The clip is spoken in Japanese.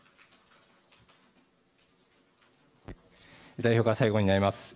代表から最後になります。